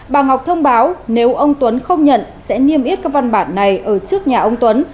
bà ngọc thông báo nếu ông tuấn không nhận sẽ niêm yết các văn bản này ở trước nhà ông tuấn